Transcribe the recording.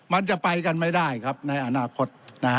มันจะไปกันไม่ได้ครับในอนาคต